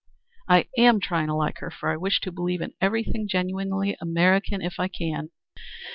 I am trying to like her, for I wish to believe in everything genuinely American if I can.